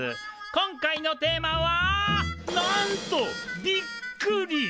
今回のテーマは「なんと『ビック』リ！！